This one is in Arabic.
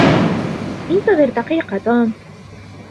إنتظر دقيقة, توم!